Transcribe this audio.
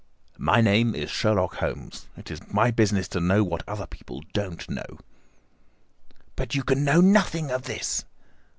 "My name is Sherlock Holmes. It is my business to know what other people don't know." "But you can know nothing of this?"